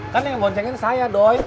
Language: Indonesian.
kan yang bawa ceng ini saya doi